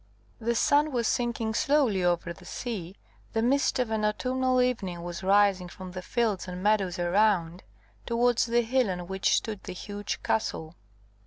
The sun was sinking slowly over the sea, the mist of an autumnal evening was rising from the fields and meadows around, towards the hill on which stood the huge castle.